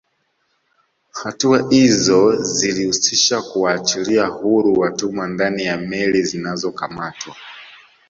Hatua izo zilihusisha kuwaachilia huru watumwa ndani ya meli zinazokamatwa